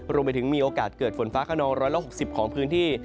รวมไปถึงมีโอกาสเกิดฝนฟ้าขนอง๑๖๐ของพื้นที่